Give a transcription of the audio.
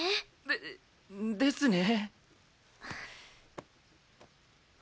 でですね。